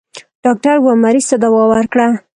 ډاکټر و مريض ته دوا ورکړه.